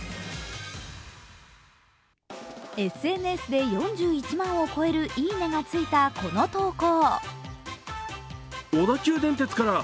ＳＮＳで４１万を超える「いいね」がついたこの投稿。